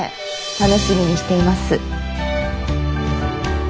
楽しみにしています。